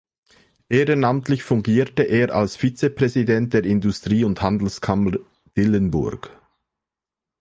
Ehrenamtlich fungierte er als Vizepräsident der Industrie- und Handelskammer Dillenburg.